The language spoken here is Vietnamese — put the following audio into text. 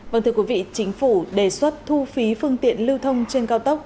vâng thưa quý vị chính phủ đề xuất thu phí phương tiện lưu thông trên cao tốc